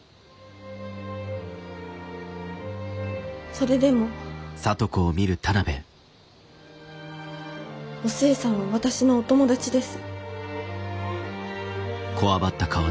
それでもお寿恵さんは私のお友達です。